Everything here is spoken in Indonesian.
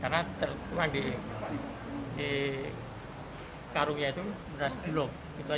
karena memang di karungnya itu beras bulog